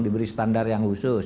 diberi standar yang khusus